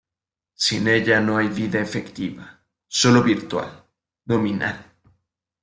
Sin ella no hay vida efectiva, sólo virtual, nominal.